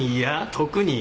特に。